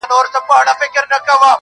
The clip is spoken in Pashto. د سرو شونډو په لمبو کي د ورک سوي یاد دی